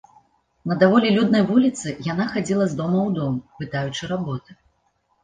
На даволі люднай вуліцы яна хадзіла з дома ў дом, пытаючы работы.